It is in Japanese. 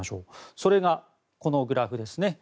それがこのグラフです。